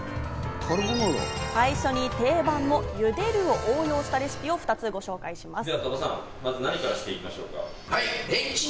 最初に定番、ゆでるを応用したレシピを２つご紹介します。